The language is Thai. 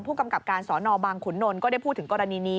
กำกับการสอนอบางขุนนลก็ได้พูดถึงกรณีนี้